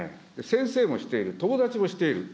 先生もしている、友達をしている。